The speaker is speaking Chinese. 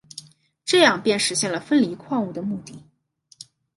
这样便实现了分离矿物的目的。